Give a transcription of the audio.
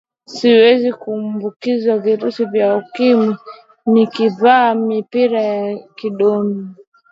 siwezi kuambukizwa virusi vya ukimwi nikivaa mpira wa kondomu